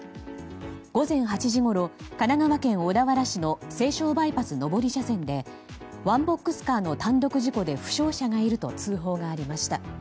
午前８時ごろ神奈川県小田原市の西湘バイパス上り車線でワンボックスカーの単独事故で負傷者がいると通報がありました。